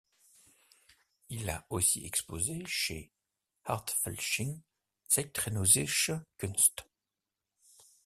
Il a aussi exposé chez „art felchlin – zeitgenössische Kunst“.